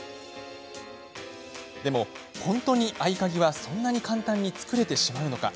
でも、本当に合鍵はそんなに簡単に作れちゃうのか。